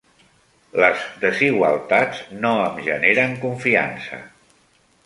Les desigualtats no em generen confiança.